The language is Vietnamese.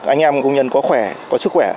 anh em công nhân có khỏe có sức khỏe